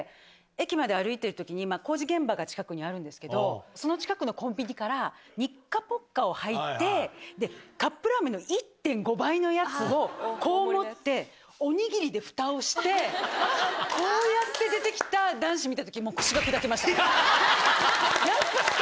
駅まで歩いてるときに、工事現場が近くにあるんですけど、その近くのコンビニから、ニッカポッカをはいて、カップラーメンの１．５倍のやつをこう持って、お握りでふたをして、こうやって出てきた男子見たとき、もう腰が砕けました。